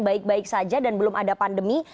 baik baik saja dan belum ada pandemi